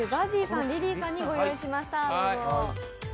ＺＡＺＹさんリリーさんにご用意しました。